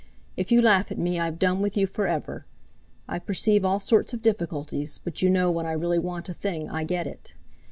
If you laugh at me I've done with you forever. I perceive all sorts of difficulties, but you know when I really want a thing I get it.